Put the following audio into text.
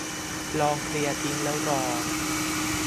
ลองเคลียร์ทิ้งแล้วรอ